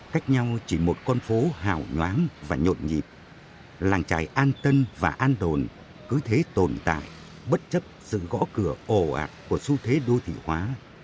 cách nhau chỉ một con phố hào nhoáng và nhộn nhịp làng trài an tân và an tồn cứ thế tồn tại bất chấp sự gõ cửa ồ ạt của xu thế đô thị hóa